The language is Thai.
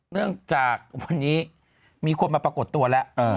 เนื่องจากวันนี้มีคนมาปรากฏตัวแล้ว